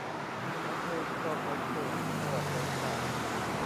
อำเภอคลองหอยโข่ง จังหวัดสงขลา